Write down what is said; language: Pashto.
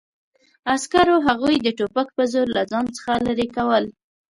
عسکرو هغوی د ټوپک په زور له ځان څخه لرې کول